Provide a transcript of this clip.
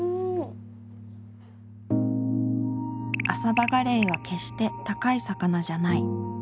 アサバガレイは決して高い魚じゃない。